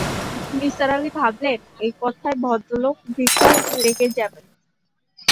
নিসার আলি ভাবলেন, এই কথায় ভদ্রলোক ভীষণ রেগে যাবেন।